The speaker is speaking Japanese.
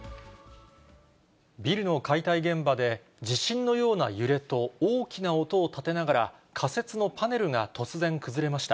ビルの解体現場で、地震のような揺れと大きな音を立てながら、仮設のパネルが突然崩れました。